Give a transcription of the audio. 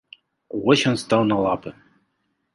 Вось ён стаў на лапы.